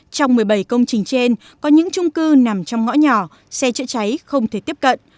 trong một mươi bảy công trình trên có những trung cư nằm trong ngõ nhỏ xe chữa cháy không thể tiếp cận